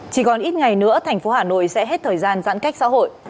chỉ còn ít ngày nữa thành phố hà nội sẽ hết thời gian giãn cách xã hội